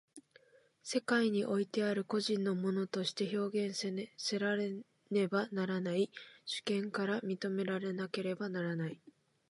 世界においてある個人の物として表現せられねばならない、主権から認められなければならない。